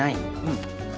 うん。